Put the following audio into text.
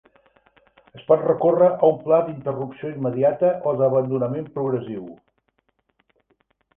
Es pot recórrer a un pla "d'interrupció immediata" o "d'abandonament progressiu".